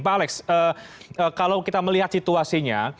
pak alex kalau kita melihat situasinya